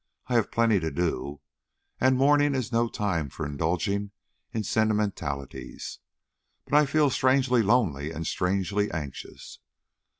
I have plenty to do, and morning is no time for indulging in sentimentalities; but I feel strangely lonely and strangely anxious.